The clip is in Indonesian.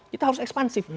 kita harus ekspansif